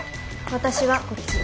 私はこっち。